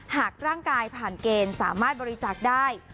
หากร่างกายผ่านเกณฑ์สามารถบริจาคได้